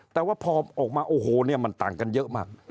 แต่ว่าพอออกมาโอ้โหเนี่ยมันต่างกันเยอะมาก